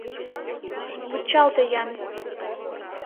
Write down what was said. — Вучалте-ян!